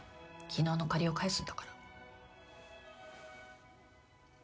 昨日の借りを返すんだから。